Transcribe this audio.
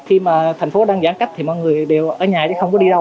khi mà thành phố đang giãn cách thì mọi người đều ở nhà chứ không có đi đâu